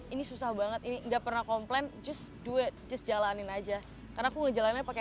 ini susah banget ini enggak pernah komplain just do it just jalanin aja karena aku ngejalannya pakai